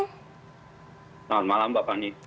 selamat malam bapak nief